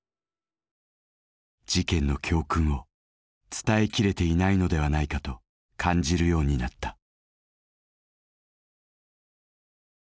事件の教訓を伝えきれていないのではないかと感じるようになった。